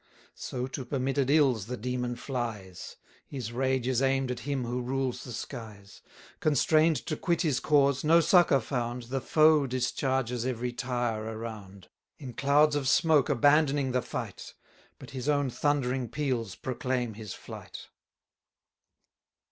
So to permitted ills the Demon flies; His rage is aim'd at him who rules the skies: Constrain'd to quit his cause, no succour found, The foe discharges every tire around, In clouds of smoke abandoning the fight; But his own thundering peals proclaim his flight.